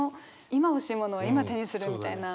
今欲しいものは今手にするみたいな。